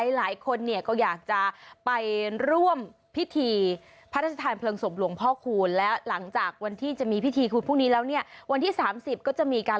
หลายคนเนี่ยก็อยากจะไปร่วมพิธีพระทัชฌาธาร